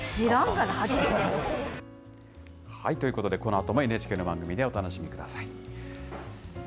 はい、ということでこのあともＮＨＫの番組でお楽しみください。